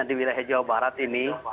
di wilayah jawa barat ini